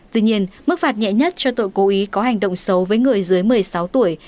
tuy nhiên mức phạt nhẹ nhất cho tội cố ý có hành động xấu với người dưới một mươi sáu tuổi